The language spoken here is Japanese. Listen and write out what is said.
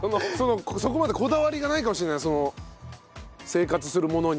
そこまでこだわりがないかもしれない生活する物に。